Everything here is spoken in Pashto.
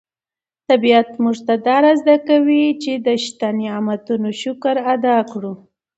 طبیعت موږ ته دا ور زده کوي چې د شته نعمتونو شکر ادا کړو.